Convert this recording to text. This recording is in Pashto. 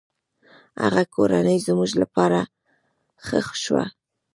هغه کورنۍ زموږ له پاره ښه شوه.